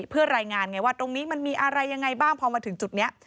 เพื่อรายงานไงว่าตรงนี้มันมีอะไรยังไงบ้างพอมาถึงจุดนี้